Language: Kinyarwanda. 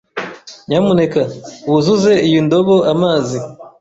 Nyamuneka wuzuze iyi ndobo amazi.